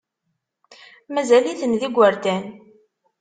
Mazal-iten d igerdan.